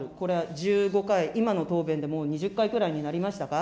１５回、今の答弁でもう２０回くらいになりましたか。